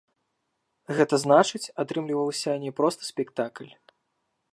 Гэта значыць, атрымліваўся не проста спектакль.